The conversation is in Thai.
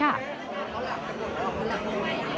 เค้าหลับกันหมดแล้วเค้าหลับกันหมดแล้วค่ะ